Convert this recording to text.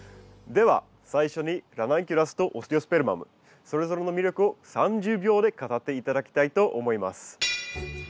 では最初にラナンキュラスとオステオスペルマムそれぞれの魅力を３０秒で語って頂きたいと思います。